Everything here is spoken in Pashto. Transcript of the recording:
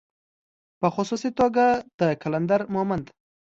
په خصوصي توګه د قلندر مومند